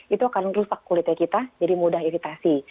itu akan rusak kulitnya kita jadi mudah iritasi